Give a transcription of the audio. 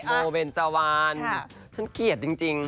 โบเบนจาวานฉันเกลียดจริง